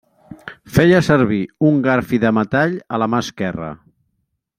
Feia servir un garfi de metall a la mà esquerra.